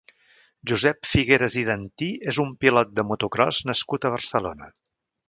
Josep Figueras i Dantí és un pilot de motocròs nascut a Barcelona.